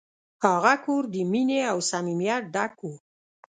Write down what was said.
هغه کور د مینې او صمیمیت ډک و.